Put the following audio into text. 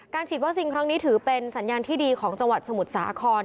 ฉีดวัคซีนครั้งนี้ถือเป็นสัญญาณที่ดีของจังหวัดสมุทรสาคร